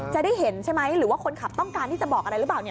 จะได้เห็นใช่ไหมหรือว่าคนขับต้องการที่จะบอกอะไรหรือเปล่าเนี่ย